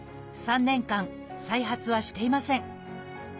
３年間再発はしていません。